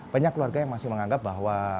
banyak keluarga yang masih menganggap bahwa